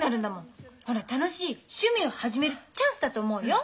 ほら楽しい趣味を始めるチャンスだと思うよ。